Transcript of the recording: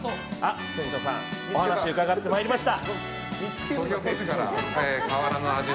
店長さんにお話を伺ってまいりました。